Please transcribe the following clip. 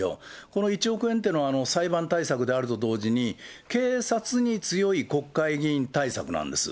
この１億円っていうのは、裁判対策であると同時に、警察に強い国会議員対策なんです。